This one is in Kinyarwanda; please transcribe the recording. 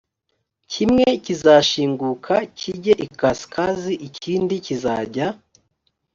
kimwe kizashinguka kijye ikasikazi ikindi kizajya